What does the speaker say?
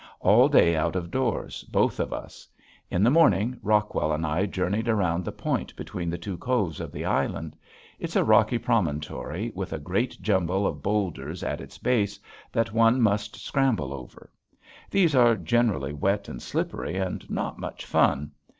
All day out of doors, both of us. In the morning Rockwell and I journeyed around the point between the two coves of the island. It's a rocky promontory with a great jumble of bowlders at its base that one must scramble over. These are generally wet and slippery and not much fun.